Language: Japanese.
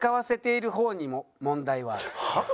はあ？